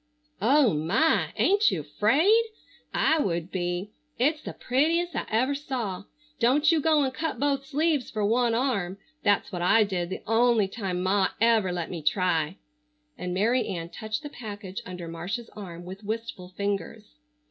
"Oh, my! Ain't you afraid? I would be. It's the prettiest I ever saw. Don't you go and cut both sleeves for one arm. That's what I did the only time Ma ever let me try." And Mary Ann touched the package under Marcia's arm with wistful fingers.